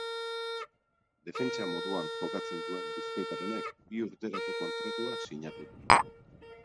Defentsa moduan jokatzen duen bizkaitar honek bi urterako kontratua sinatu du.